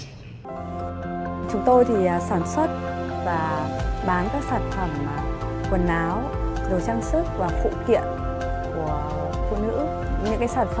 tôi là một doanh nghiệp rất là nettu vì tôi sản xuất và bán các sản phẩm quần áo đồ trang sức và phụ kiện của phụ nữ